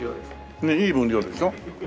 ねっいい分量でしょ？